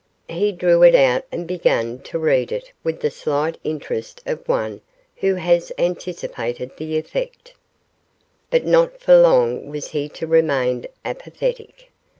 He drew it out and began to read it with the slight interest of one who has anticipated the effect. But not for long was he to remain apathetic.